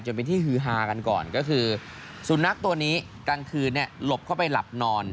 เป็นที่ฮือฮากันก่อนก็คือสุนัขตัวนี้กลางคืนหลบเข้าไปหลับนอน